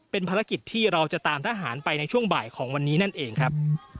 เป็นภารกิจที่เราจะตามทหารไปในช่วงบ่ายของวันนี้นั่นเองครับ